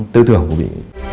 tư tưởng của bị